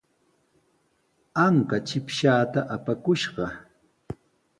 Anka chipshaata apakushqa.